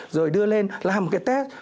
rồi đưa lên làm cái test